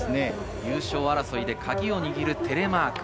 優勝争いでカギを握るテレマーク。